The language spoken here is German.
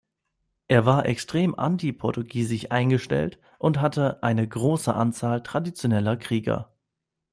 Er war extrem anti-portugiesisch eingestellt und hatte eine große Anzahl traditioneller Krieger.